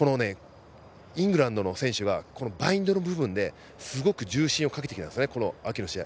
イングランドの選手はバインドの部分で、すごく重心をかけてきたんですね秋の試合。